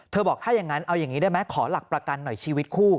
บอกถ้าอย่างนั้นเอาอย่างนี้ได้ไหมขอหลักประกันหน่อยชีวิตคู่